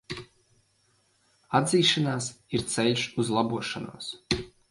Atzīšanās ir ceļš uz labošanos.